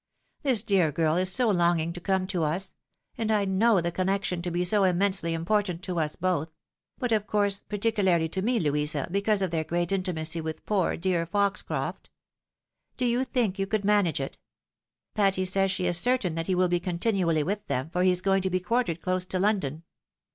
THs dear girl is so longing to come to us ! aiid! I know the connection to be so immensely important to us both ; but, of course, particularly to me, Louisa, because of their great intimacy with poor dear Foxcroft. Do you think you could manage it ? Patty says she is certain that he will be continually with them, for he is going to be quartered close to London.